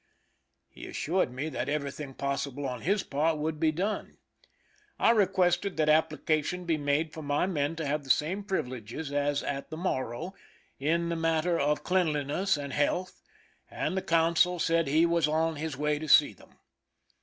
He assured me that everything possible on his part would be done. I requested that application be made for my men to have the same privileges as at the Morro in the matter of cleanliness and health, and the consul said he was on his way to see them.